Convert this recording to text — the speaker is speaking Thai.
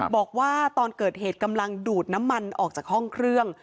บอกว่าตอนเกิดเหตุกำลังดูดน้ำมันออกจากห้องเครื่อง